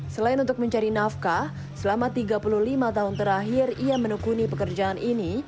selain untuk mencari nafkah selama tiga puluh lima tahun terakhir ia menekuni pekerjaan ini